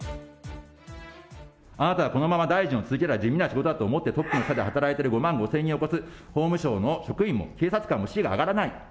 あなたはこのまま大臣を続ければ地味な仕事だと思ってトップの下で働いている５万５０００人を超す法務省の職員も、警察官も、士気が上がらない。